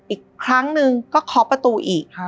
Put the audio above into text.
อีกครั้งหนึ่งก็เคาะประตูอีก